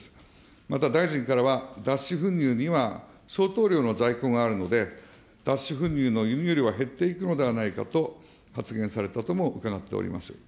また、大臣からは、脱脂粉乳には相当量の在庫があるので、脱脂粉乳の輸入量は減っていくのではないかと発言されたとも伺っております。